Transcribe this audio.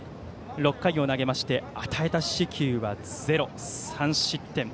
６回を投げまして与えた四死球はゼロ、３失点。